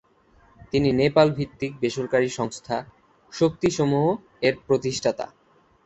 তিনি নেপাল ভিত্তিক বেসরকারি সংস্থা "শক্তি সমুহ"-এর প্রতিষ্ঠাতা।